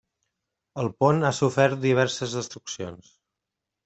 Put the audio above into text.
El pont ha sofert diverses destruccions.